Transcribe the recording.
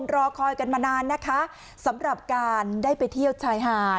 รอคอยกันมานานนะคะสำหรับการได้ไปเที่ยวชายหาด